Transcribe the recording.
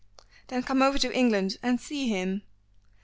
"Then come over to England and see him."